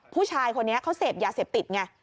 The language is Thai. ผู้ชายคนนี้เขาเสพยาเสพติดไง